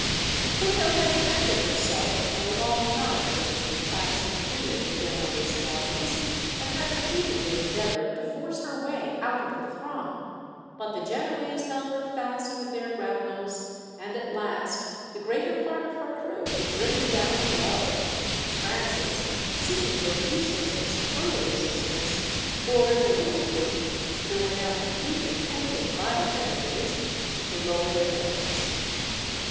The Pluto had defended herself, for a long time, against the attacks of three of the Genoese galleys, and had repeatedly endeavoured to force her way out of the throng, but the Genoese held her fast with their grapnels, and at last the greater part of her crew were driven down below, and Francis, seeing the uselessness of further resistance, ordered the little group, who were now completely pent in by the Genoese, to lower their weapons.